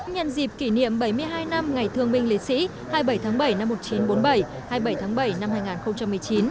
nhân dịp kỷ niệm bảy mươi hai năm ngày thương binh liệt sĩ hai mươi bảy tháng bảy năm một nghìn chín trăm bốn mươi bảy hai mươi bảy tháng bảy năm hai nghìn một mươi chín